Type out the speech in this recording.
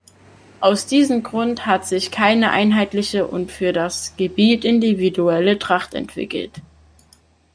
Aus diesem Grund hat sich keine einheitliche und für das Gebiet individuelle Tracht entwickelt.